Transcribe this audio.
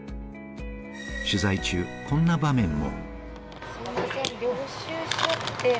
取材中、こんな場面も。